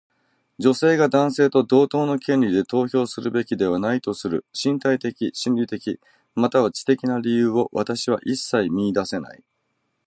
女性が男性と同等の権利で投票するべきではないとする身体的、心理的、または知的な理由を私は一切見いだせない。